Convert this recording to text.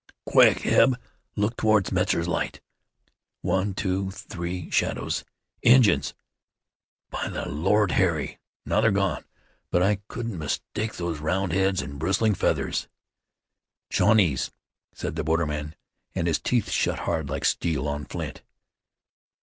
"Quick, Eb! Look toward Metzar's light. One, two, three, shadows Injuns!" "By the Lord Harry! Now they're gone; but I couldn't mistake those round heads and bristling feathers." "Shawnees!" said the borderman, and his teeth shut hard like steel on flint.